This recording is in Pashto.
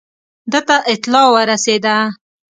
ده ته اطلاع ورسېده.